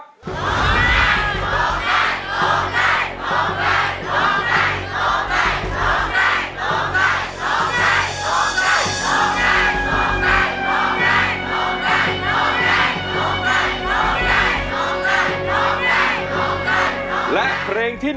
ร้องได้ร้องได้ร้องได้ร้องได้